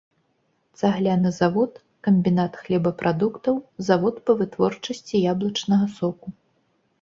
Цагляны завод, камбінат хлебапрадуктаў, завод па вытворчасці яблычнага соку.